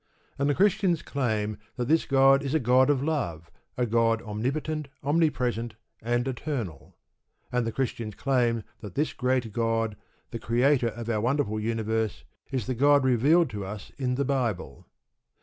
And the Christians claim that this God is a God of love, a God omnipotent, omnipresent, and eternal. And the Christians claim that this great God, the Creator of our wonderful universe, is the God revealed to us in the Bible.